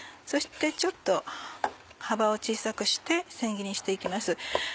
そしてちょっと幅を小さくして千切りにして行きます。